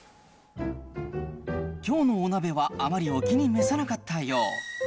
きょうのお鍋はあまりお気に召さなかったよう。